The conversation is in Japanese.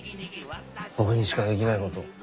僕にしかできないこと。